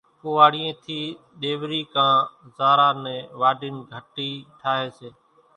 ڪوئاڙيئين ٿِي ۮيوري ڪان زارا نين واڍين گھٽي ٺاھي سي